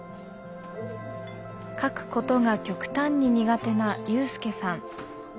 書くことが極端に苦手な有さん。